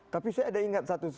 tapi saya ada ingat satu satu